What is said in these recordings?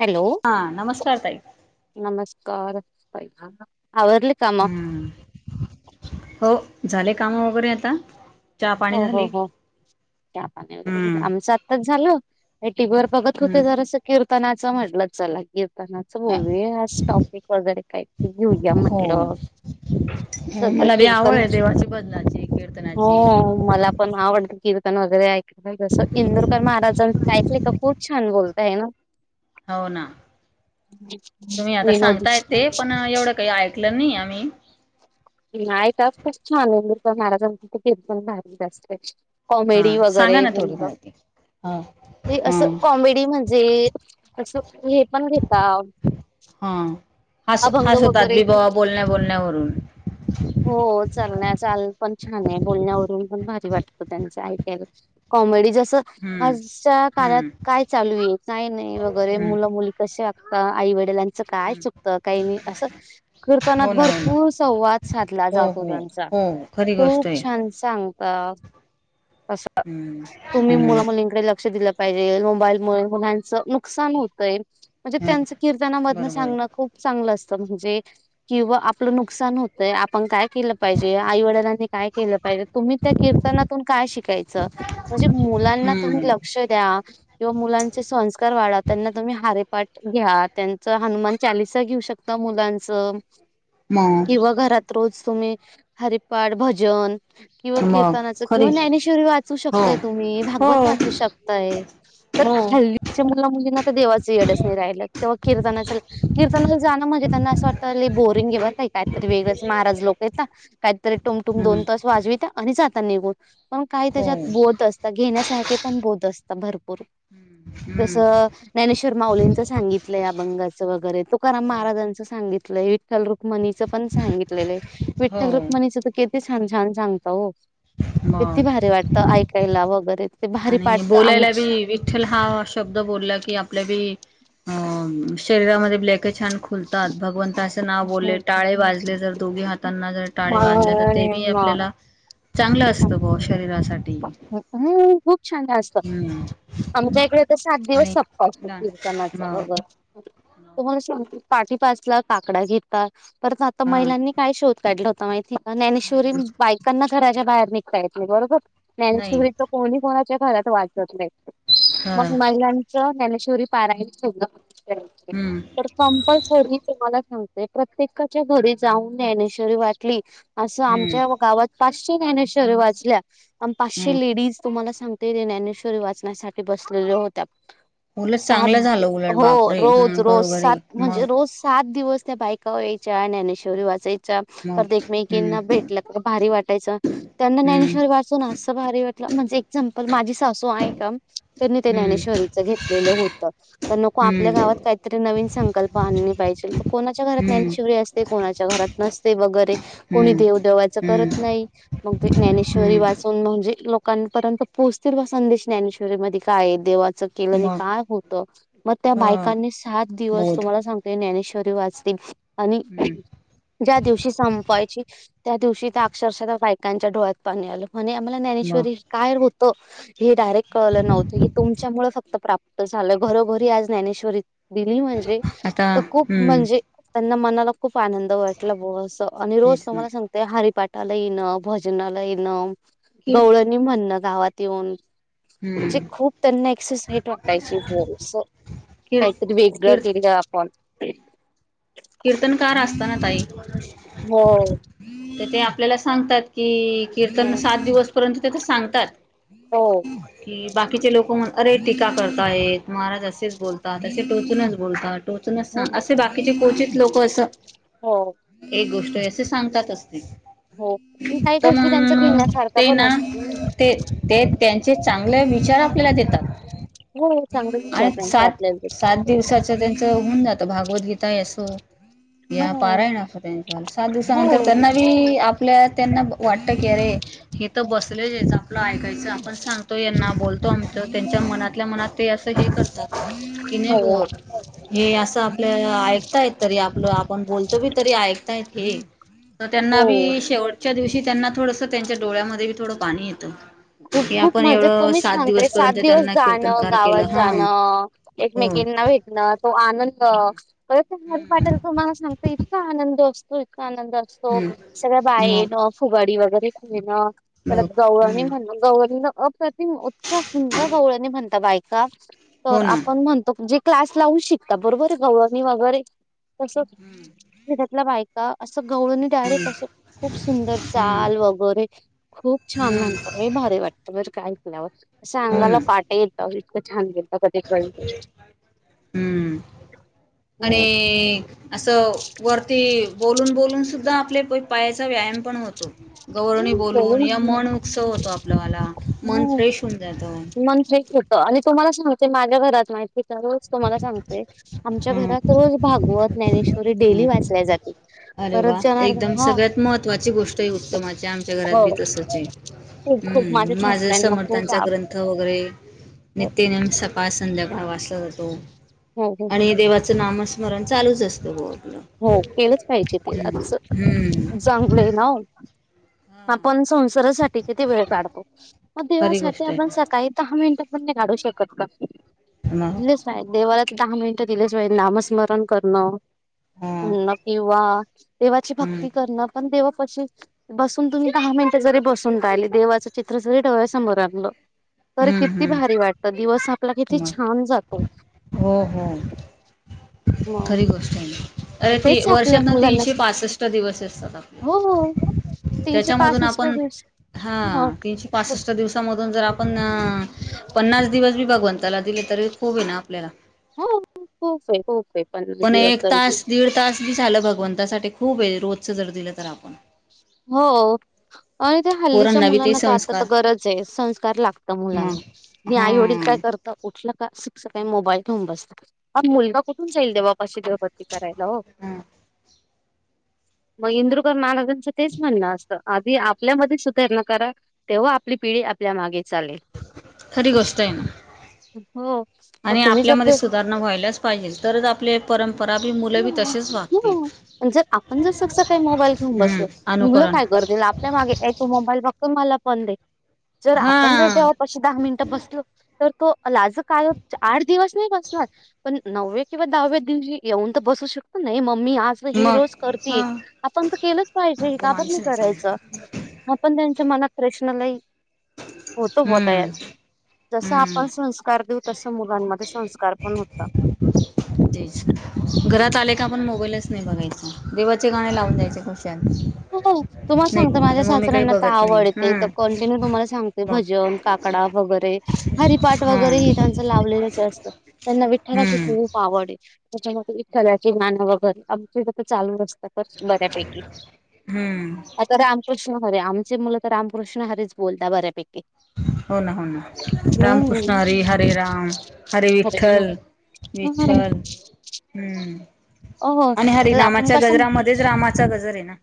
Hello हा नमस्कार ताई. नमस्कार, आवरलं हम्म, हो झाले काम वगैरे आता. चहा पाणी हो हो झाली. हो चहा पाणी वगैरे हम्म. आमचा आताचं झालं हे टीव्हीवर बघत हम्म. होते जरासं कीर्तनाचं म्हटलं चला कीर्तना बोलू आज टॉपिक वगैरे काय तर घेऊया म्हटलं. हम्म सध्या मला बी कीर्तन आवडे देवाची भजनाची हो कीर्तनाची. मला पण आवडतं कीर्तन वगैरे ऐकायला जसं इंदुरकर महाराजांच ऐकले का खूप छान बोलतय न. हाव ना, तुम्ही आता विनोदी सांगताय ते पण एवढं काई ऐक -कलं नी आमी. नाय का खुप छान इंदुरीकर महाराजांच कीर्तन भारीच अस्तय. कॉमेडी हा सांगा वगैरे ना थोडी म्हणलं माहिती हा ते हा असं कॉमेडी म्हणजे,.. असं हे पण घेताव. हा हस हसवतात वगैरे बी बावा बोलण्या-बोलण्यावरून, हो चलण्या चालण पण छान आहे, बोलण्यावरून पण भारी वाटतो त्यांचं ऐकायला. कॉमेडी जसं हम्म. आजच्या काळात हम्म काय चालू आहे, काय नाही वगैरे हम्म मुलं मुली कशे वागता आई वडलां चं काय हम्म चुकतं, काही नाही असं हो कीर्तनात ना हो ना भरपूर संवाद साधला हो जातो हो त्यांचा, हो खरी गोष्ट खूप आहे. छान सांगतात असं. अ... हम्म तुम्ही हम्म. मुला- मुलींकडे लक्ष दिलं पाहिजेल मोबाईल मुळ मुलांच नुकसान होतंय म्हणजे ह त्यांच कीर्तना मधनं बरोबर आहे सांगनं खूप चांगलं असतं म्हणजे किंवा आपलं नुकसान होत तय आपण काय केलं पाहिजे, आई-वडिलांनी काय केलं पाहिजे, तुम्ही त्या कीर्तनातून काय शिकायचं? म्हणजे मुलांना तुम्ही हम्म लक्ष द्या, किंवा मुलांचे संस्कार वाढावताना तुम्ही हारीपाठ घ्या, त्यांचा हनुमान चालीसा घेऊ शकता ता मुलांचं. मग किंवा घरात रोज तुम्ही हरिपाठ, भजन. किंवा मग कीर्तनाचं किंवा खरी ज्ञानेश्वरी वाचू हो शकताय तुम्ही, हो भागवत वाचू शकताय. तर हो हल्लीच्या मुला-मुलींना तर देवाचं येडच नाही राहिलं तेव्हा कीर्तनाच कीर्तनाला जाणं म्हणजे त्यांना असं वाटतं लई बोरिंग बरं काही काय तर ते वेगळंच महाराज लोकं येता काहीतरी टुंगटुंग हम्म दोन तास वाजवित्या आणि जाता निघून. पण काही हो त्याच्यात बोध असता घेण्यासारखे पण बोध असतं भरपूर. हम्म तसं ज्ञानेश्वर माउलींचं सांगितलं अभंगाचं वगैरे तुकाराम महाराजांचं सांगितलंय विठ्ल रुक्माई च पण सांगितलेलं ये हो विठ्ठल-रुक्मणीच तर किती छान- छान सांगता ओ किती मग भारी वाटतं ऐकायला वगैरे भारी आणि पाटत बोलायला बी आमची वि छल हा शब्द बोला की आपल्या बी अ शरीरामध्ये ब्लॅके छान खू फुलतात भगवंताच नाव बोले टाळे वाजले जर दोघे हातांना जर टाळे वाजले तर ते बी आपल्याला चांगलं असतं बुवा शरीरासाठी. हूं.. खूप छान अस त हम्म आमच्या इकडे तर सात दिवस आणि सप्ताह असतो कीर्तनाचा मग बाबा तुम्हाला सांगते पाहटी पाचला काकडा घेता परत आता हा महिलांनी काय शोध काढला होता माहिती का ज्ञानेश्वरी बायकांना घराच्या बाहेर निघता येत नाही बरोबर? नाही ज्ञानेश्वरीच कोणी कोणाच्या घरात वाचत नाही हा मग महिलांन च ज्ञानेश्वरी पारायण ठेवलं हम्म [unintelligible] कंपल्सरी तुम्हांला सांगते प्रत्येकाच्या घरी जाऊन ज्ञानेश्वरी वाचली. असं हम्म आमच्या गावात पाचशे ज्ञानेश्वऱ्या वाचल्या अन हम्म पाचशे लेडीज तुम्हांला सांग तेने ज्ञानेश्वरी वाचण्यासाठी बसलेल्या होत्या. उलट सात चांगलं झालं उलट हो बापरे हा रोज, रोज घरोघरी सात म्हणजे मग रोज सात दिवस त्या बायक का यायच्या, ज्ञानेश्वरी वाचायच्या, परत मग हम्म एकमेकींना भेटलं तर भारी वाटायचं. त्यांंना हम्म ज्ञानेश्वरी वाचून असं भारी वाटलं म्हणजे एक्झाम्पंल माझी सासू आहे कम त्यांनी ते हम्म ज्ञानेश्वरीच घेतलेलं होतं पण नको आपल्या हम्म गावात काय तरी नवीन संकल्प आणले पाहिजेल, तर कोणाच्या घरात हम्म ज्ञानेश्वरी असते कोणाच्या घरात नसते वगैरे कोणी हम्म देव देवाच करत हम्म नाही. मग ते ज्ञानेश्वरी हम्म वाचून म्हणजे, लोकांपर्यंत पोहचतील बा संदेश ज्ञानेश्वरी मध्ये काय आहे देवाच. केल्यानी मग काय होत. मग त्या ह बायकांनी सात दिवस बोध तुम्हाला सांग ते ज्ञानेश्वरी वाचली. आणि हम्म ज्या दिवशी संपवायची, त्या दिवशी त्या अक्षरशः त्या बायकांच्या डोळ्यात पाणी आल. म्हणे, आम्हाला मग ज्ञानेश्वरी काय होत हे डायरेक्ट कळल नव्हत. हे तुमच्यामुळे फक्त प्राप्त झाल. घरोघरी आज ज्ञानेश्वरी दिली म्हणजे, आता तो खूप हम्म म्हणजे त्यांना मनाला खूप आनंद वाटल बुवा अस. आणि रोज तेच नाही तुम्हाला सांगते हरीपाठाला येण, भजनाला येण कीर्त गवळनी म्हणण गावात येऊन. हम्म ची खूप त्यांना एक्ससाईट वाटायची हो अस. कीर्त काहीतरी वेगळ कीर्त केल आपण. कीर्तनकार असता ना ताई हो तर, ते आपल्याला सांगतात कि हो कीर्तन सात दिवसपर्यंत ते तर सांगतात. हो की बाकीचे लोक म्हण अरे टीका करता आहेत. महाराज असेच बोलतात. असे टोचूनच बोलतात. टोचूनच हो सांग, असे बाकीचे क्वचित लोक अस हो एक गोष्ट असे सांगतातच ते. हो आणि काही तर गोष्टी त्यांच्या मंग घेण्यासारख्या ते पण ना असतील ते ते त्यांचे चांगले विचार आपल्याला देतात. हो, चांगले विचार त्यांचे आपल्याला दे दिवसाच त्यांच होऊन जात. भागवद्गीता हे अस या हो पारायण असत त्यांचवाल. सात दिवसानंतर हो त्यांना बी आपल्या त्यांना वाटत की अरे हे तर बसलेचये. आपल ऐकायच, आपण सांगतो यांना बोल आम त्यांच्या मनातल्या मनात ते अस हे करतात कि, नाही हो बुवा हे अस आपल ऐकतायत तरी, आपल आपण बोलतो बी तरी ऐकतायत हे. तर त्यांना हो बी, शेवटच्या दिवशी त्यांना थोडस त्यांच्या डोळ्यामध्ये बी थोड पाणी येत. खूप खूप मजे, तुम्ही सांगते सात दिवस त्यांना जाण. कीर्तनकार गावात केलं हा जाण. हो एकमेकींना भेट तो आनंद, परत ते हरीपाठाला हम्म तुम्हाला सांगते इतका आनंद असतोय. इतका आनंद असतो. सगळ्या बाया हम्म मग येण. फुगडी वगैरे खेळण. मग परत गवळणी हम्म म्हण मग गवळनी ना, अप्रतिम उतक्या सुंदर गवळनी म्हणता बायका. हो तर ना आपण म्हणतो, जे क्लास लावू शिकता बरोबरये गवळणी वगैरे तस, खेड्यातल्या बायका अस गवळनी हम्म डायरेक्ट अस, खूप सुंदर हम्म चाल वगैरे खूप छान म्हण हम्म तर लयी भारी वाटत बर का ऐकल्यावर. अस हो अंगाला ना काटे येता हो, इतक छान घेत हम्म आणि हो अस, वरती बोलून बोलून सुद्धा आपले पायाचा व्यायाम पण होतो. गौळणी बोलून या मन उक्सव होतो आपल वाला. मन हम्म फ्रेश होऊन जात. मन फ्रेश होतं आणि तुम्हाला सांगते, माझ्या घरात माहिती रोज तुम्हाला सांगते, आमच्या हम्म घरात रोज भागवत, ज्ञानेश्वरी डेली हम्म वाचल्या जात अरे वा, एकदम सगळ्यात महत्त्वाची गोष्ट आहे उत्तमाची. आमच्या घरात हो बी तसच आहे. खूप खूप माझ्या हम्म, माझ सासऱ्यांना खूप समर्थांचा हो ग्रंथ वगैरे नीत्यनेम स काळ, संध्याकाळ वाचला जातो. हो आणि हो देवाच नामस्मरण चालूच असत ग आपल. हो केलंच पाहिजे ते हम्म आजच चांगल हे नाव. आपण संसारासाठी किती वेळ काढतो मग खरी देवासाठी गोष्ट आहे आपण सकाळी दहा मिनट. आपण काढू शकत का मग लिस्ट. नाही देवालाच दहा मिनटं दिल्याशिवाय नामस्मरण करणं. हा म्हणण किंवा देवाची हम्म भक्ती करणं पण देवापाशी. बसून तुम्ही दहा मिनिटं जरी बसून राहिली देवाचं चित्र जरी डोळा समोर आणलं. तरी हम्म किती हम्म भारी वाटत दिवस आपला किती छान जातो. ह. मंग. अअरे ते वर्षातन तीनशे पासष्ट दिवस असतात हो हो आपले. तीनशे त्याच्यामधून पासष्ट आपण दिवस हा हो तीनशे. पासष्ट दिवसामधून जर आपण पन्नास दिवस भी भगवंताला दिले. तरी खूप होईन आपल्याला. हो हो के हो के. पण एक तास दीड तास झालं भगवंतासाठी खूप हे रोजच जर दिलं तर आपण. हो. आणि त्या हल्लीच्या पोरांना बी ते मुलांना तर आता तर संस्कार गरज हे संस्कार लागत मग मुलांना. मी आई हा वडील काय करत. त उठलं का स सकाळी मोबाईल घेऊन बसत अब मुलगा कुठून जाईल देवापाशी ग प. करायला हो हा मग इंद्रुकरकर महाराजांची. तेच म्हणणं असतं आधी आपल्यामध्ये सुधारणा करा. तेव्हा आपली पिढी आपल्या मागे चालेल. खरी गोष्ट हे ना हो मग आणि तुम्ही जर आपल्यामध्ये सुद्ध. भरणा व्हायलाच पाहिजे तरच आपले. परंपरा बी मुलं बी ह तसेच वागतील ह पण जर आपण जर स सकाळी मोबाईल घेऊन हम्म बसलो. मुलं अनुकरण काय करतील आपल्या मागे एक तो मोबाईल फक्त मला पण दे जर हा आपण जर ते ऑफ. पशी दहा मिनिटं बसलो तर तो लाज काय आठ दिवस नाही बसणार. पण नवव्या किंवा दहाव्या दिवशी येऊन तर बसू शकतो ना हे मम्मी आज. त ही मग रोज करती हा आपण तर केलंच पाहिजे हे तो काबर माणूस नाही चांगला करायचं. हा पण त्यांच्या मनात प्रश्न लही होतो भो तयार. हम्म जसं हम्म आपण संस्कार देऊ तसं मुलांमध्ये संस्कार पण होतात न. जच. घरात आले का मग आपण मोबाईलच नाही बघायचा देवाचे गाणे लावून देयायचे खुशाल. हो तुम्हाला नाही सांगत बाबा माझ्या अरे मम्मी काही सासऱ्यांना तर बघत नाही आवडते तर हा कंटिन्यू तुम्हाला सांगते मग भजन. काकडा वगैरे हरिपाठ हा वगैरे हे त्यांचं लावलेलंच असत त्यांना विठ्ठालाची हम्म खुप. खूप आवडेल हे त्याच्यासाठी विठ्ठ्लाची मान उग कर आमची ज चालू असतात तर बऱ्यापैकी. हम्म. तर रामकृष्ण हरे आमचे मुलं तर रामकृष्ण हरेच बोलताात बऱ्यापैकी. हो ना हो ना हम्म. रामकृष्ण हरी हरे राम हरे विठ्ठल. हरे राम. विठ्ठल हम्म हो आणि तर आपण हरिनामाच्या कसं गजरामध्ये. तेच रामाचा गजर आहे ना.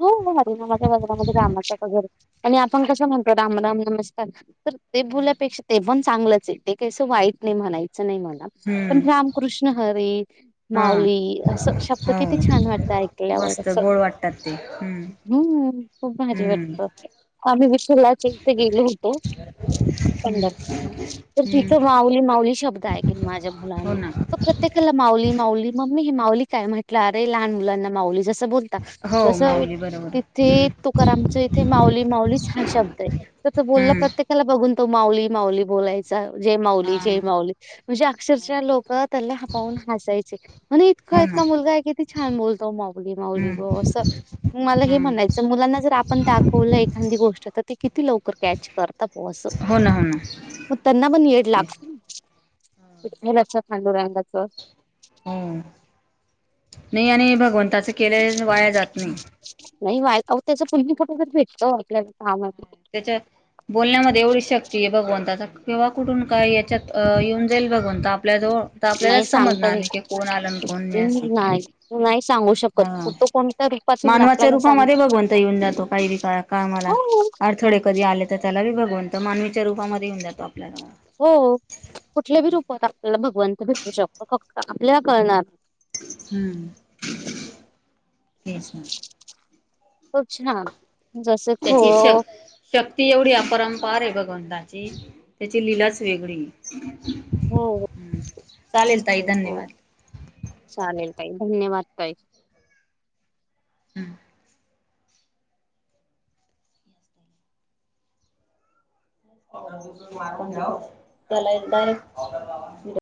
हो हो हरिनामाच्या बाजरामध्ये रामाच्या कजर आणि आपण कसं म्हणतो राम राम नमस्कार तर. ते बोलल्यापेक्षा ते पण चांगलंच य ते कसं वाईट नाही म्हणायचं नाही म्हणा पण हम्म राम. कृष्ण हरी. हा माऊली असं शब्द हो किती छान वाटतं ऐकल्यावर मस्त असं गोड वाटतात ते हम्. हम्म, खूपदा म्हणजी वाटत असं. आम्ही विठलाचे इथे गेलो होतो पंढरपूर तर, तिथ हम्म माऊली माऊली शब्द ऐकून माझ्या मुलां हो ना प्रत्येकाला माऊली माऊली. मम्मी ही माऊली काय? म्हटलं अरे, लहान मुलांना माऊली जसं बोलता हो, मा जसं तिथे तुकारामच्या इथे माऊली माऊलीच हा शब्द आहे तर, त बोलला हम्म प्रत्ये काला बघून तो माऊली माऊली बोलायचा. जय माऊली, हा जय माऊली म्हणजे अक्षरशः लोक त्याला [unintelligible] हसायचे. म्हणे इतका हो ना इतका मुलगा आहे की छान बोलतो. माऊली माऊली हम्म ब असं. मला हे हम्म म्हणायचं, मुलांना जर आपण दाखवलं एखादी गोष्ट तर, ते किती लवकर कॅच करता ते असं, हो ना हो ना मग त्यांना पण येड ते लागते ना. विठ्ठलाच, पांडुरंगाच हो, ना. नाही आणि भगवंताच केलं वाया जात नाही. नाही वा त्याचा [unintelligible] भेटतो आपल्याला का त्याच्या बोलण्यामध्ये एवढी शक्ती आहे भगवंताच्या किंवा कुठून, काय, याच्यात येऊन जाईल भगवंत आपल्या जवळ तर आपल्याला नाही सांगता समजणार नाही येत की, कोण आलं? अन् कोण नाही? असं नाही नाही सांगू शकत हा. तो कोणत्या रूपातील मानवाच्या आपल्याला सांगू रूपामध्ये भगवंत येऊन जातो काही हो [unintelligible] थोडे कधी आले तर, त्याला बी भगवंत मानवीच्या रूपामध्ये येऊन जातो. आपल्याला हो कुठल्या बी रूपात आपल्याला भगवंत भेटू शकतो. फक्त आपल्याला कळणार हम्म, तेच ना. [unintelligible] खो [unintelligible] शक्ती एवढी अपरंपार आहे भगवंताची, त्याची लिलाच वेगळीये. हो. [unintelligible] हो हो, धन्यवाद चालेल ताई. धन्यवाद ताई. हम्म. [unintelligible]